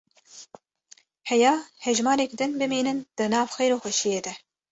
Heya hejmarek din bimînin di nav xêr û xweşîyê de.